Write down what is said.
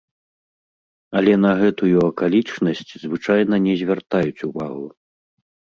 Але на гэтую акалічнасць звычайна не звяртаюць увагу.